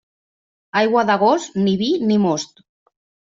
Aigua d'agost, ni vi ni most.